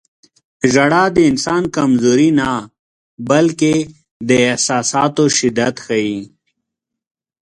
• ژړا د انسان کمزوري نه، بلکې د احساساتو شدت ښيي.